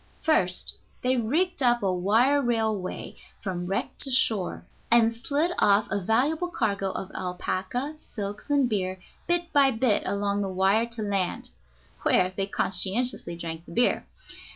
First they rigged up a wire railway from wreck to shore, and slid off a valuable cargo of alpaca, silks, and beer bit by bit along the wire to land (where they conscientiously drank the beer).